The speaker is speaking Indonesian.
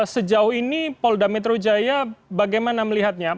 sejauh ini polda metro jaya bagaimana melihatnya